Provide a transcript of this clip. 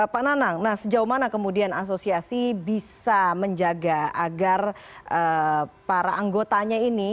pak nanang sejauh mana kemudian asosiasi bisa menjaga agar para anggotanya ini